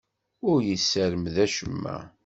Ur yessermed acemma.